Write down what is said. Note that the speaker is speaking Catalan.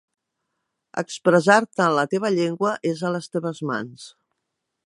Expressar-te en la teva llengua és a les teves mans.